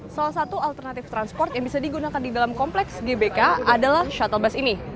salah satu alternatif transport yang bisa digunakan di dalam kompleks gbk adalah shuttle bus ini